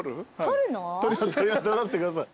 撮らせてください。